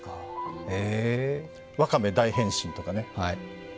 「ワカメ大変身」とかね。